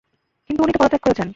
কিন্তু উনি তো পদত্যাগ করেছেন।